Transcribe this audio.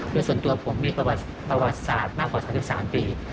โดยส่วนตัวผมมีประวัติศาสตร์มากกว่า๓๓ปี